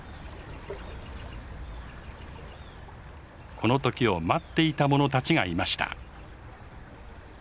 この時を待っていたものたちがいました。